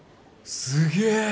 すげえ！